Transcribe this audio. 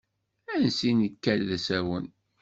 Ansi nekka d asawen.